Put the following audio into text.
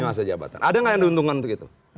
masa jabatan ada nggak yang diuntungkan untuk itu